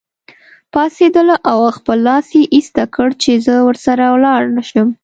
پاڅېدله او خپل لاس یې ایسته کړ چې زه ورسره ولاړ نه شم.